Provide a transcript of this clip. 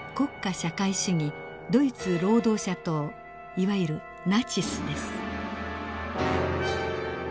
社会主義ドイツ労働者党いわゆるナチスです。